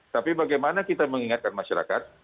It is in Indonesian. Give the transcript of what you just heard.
tapi bagaimana kita mengingatkan masyarakat